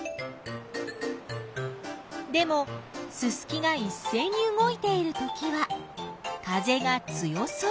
でもススキがいっせいに動いているときは風が強そう。